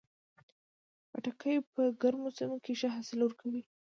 خټکی په ګرمو سیمو کې ښه حاصل ورکوي.